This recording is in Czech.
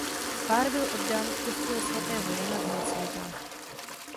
Pár byl oddán v kostele svatého Jana v Helsinkách.